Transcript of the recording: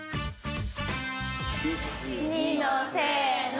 １２のせの。